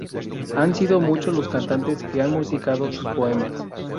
Han sido muchos los cantantes que han musicado sus poemas.